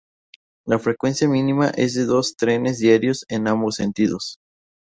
La frecuencia mínima es de dos trenes diarios en ambos sentidos.